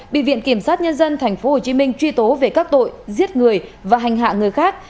bị viện kiểm sát nhân dân tp hcm truy tố về các tội giết người và hành hạ người khác